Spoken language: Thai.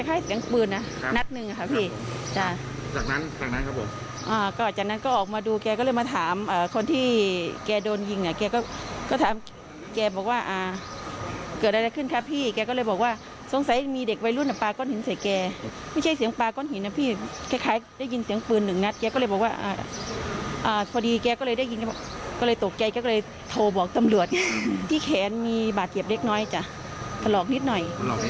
อ้าวพอดีแกก็เลยได้ยินก็เลยตกใจก็เลยโทรบอกตำรวจที่แขนมีบาดเหยียบเล็กน้อยจ้ะถลอกนิดหน่อย